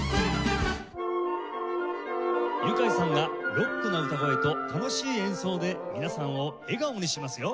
ユカイさんがロックな歌声と楽しい演奏で皆さんを笑顔にしますよ。